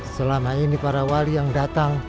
selama ini para wali yang datang